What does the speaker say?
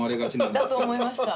だと思いました。